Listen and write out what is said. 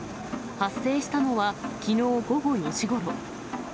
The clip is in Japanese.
発生したのは、きのう午後４時ごろ。